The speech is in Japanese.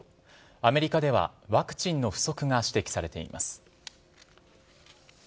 アメリカではワクチンの不足が指摘されています。